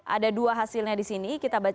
ada dua hasilnya di sini